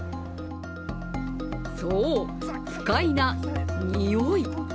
そう、不快なにおい。